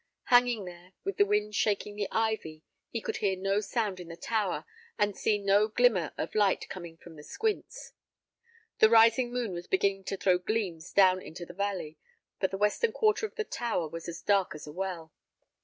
Hanging there, with the wind shaking the ivy, he could hear no sound in the tower and see no glimmer of light coming from the squints. The rising moon was beginning to throw gleams down into the valley, but the western quarter of the tower was as dark as a well.